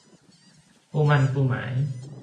คู่หมั้นคู่หมาย